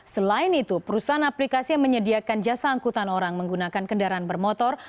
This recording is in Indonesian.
selain itu perusahaan aplikasi yang menyediakan jasa angkutan orang menggunakan kendaraan bermotor